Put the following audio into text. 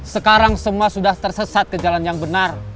sekarang semua sudah tersesat ke jalan yang benar